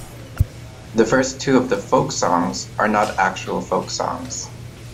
The first two of the "Folk Songs" are not actual folk songs.